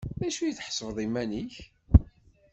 D acu tḥesbeḍ iman-ik?